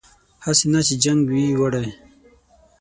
هسې نه چې جنګ وي وړی